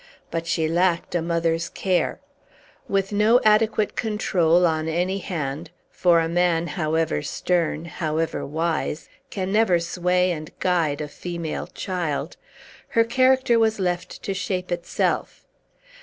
But she lacked a mother's care. With no adequate control, on any hand (for a man, however stern, however wise, can never sway and guide a female child), her character was left to shape itself.